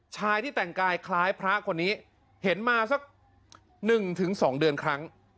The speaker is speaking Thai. ชายที่แต่งกายคล้ายพระคนนี้เห็นมาสัก๑๒เดือนครั้ง